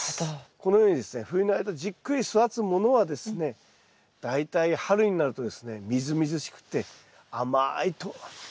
このようにですね冬の間じっくり育つものはですね大体春になるとですねみずみずしくて甘いカブができるんですよ。